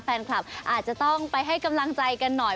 แฟนคลับอาจจะต้องไปให้กำลังใจกันหน่อย